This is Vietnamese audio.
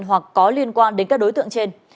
hoặc có liên quan đến các đối tượng trên